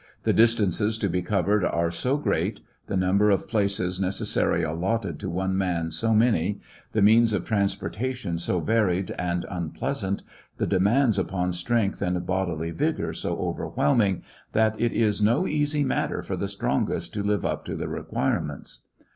The dis ^^^'"^"^ tances to be covered are so great, the nmnber of places necessarily allotted to one man so many, the means of transportation so varied and unpleasant, the demands upon strength and bodily vigor so overwhelming, that it is no easy matter for the strongest to live up to the requirements.